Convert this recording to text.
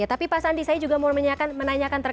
tapi pak sandi saya juga mau menanyakan